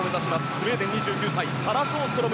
スウェーデン、２９歳サラ・ショーストロム